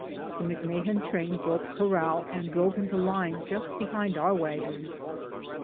The McMahan train broke corral and drove into line just behind our wagons.